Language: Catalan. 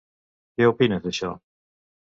Què opines d'això?